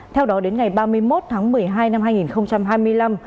theo đó đến ngày ba mươi một tháng một mươi hai năm hai nghìn hai mươi năm